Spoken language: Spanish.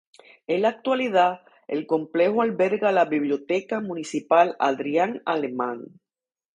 En la actualidad, el complejo alberga la "Biblioteca Municipal Adrián Alemán".